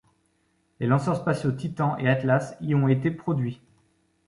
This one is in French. Les lanceurs spatiaux Titan et Atlas y ont été produits.